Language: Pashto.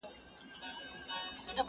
د طاقت له تنستې یې زړه اودلی،